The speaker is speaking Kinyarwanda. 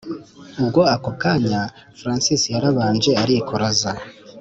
ubwo ako kanya francis yaramanje arikoroza